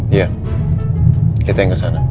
iya kita yang kesana